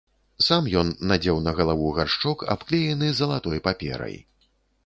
Сам ён надзеў на галаву гаршчок, абклеены залатой паперай.